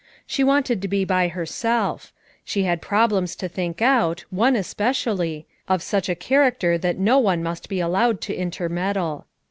She wanted to be by herself; she had problems to think out, one especially, of such a character that no one must be allowed to intermeddle.